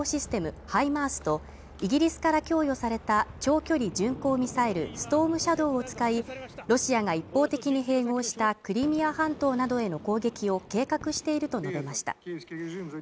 その中で、ウクライナ軍がアメリカから供与された高機動ロケット砲システムハイマースとイギリスから供与された長距離巡航ミサイルストームシャドーを使い、ロシアが一方的に併合したクリミア半島などへの攻撃を計画していると述べました。